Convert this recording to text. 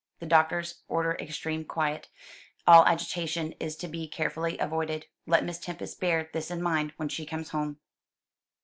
The doctors order extreme quiet; all agitation is to be carefully avoided. Let Miss Tempest bear this in mind when she comes home."